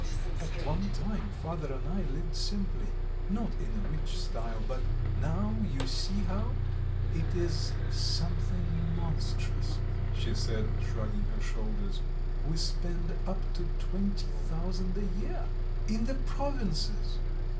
At one time father and I lived simply, not in a rich style, but now you see how! It is something monstrous," she said, shrugging her shoulders; "we spend up to twenty thousand a year! In the provinces!"